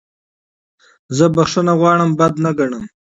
زه بخښنه غوښتل بد نه ګڼم.